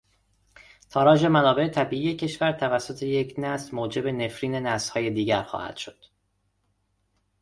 تاراج منابع طبیعی کشور توسط یک نسل موجب نفرین نسلهای دیگر خواهد شد.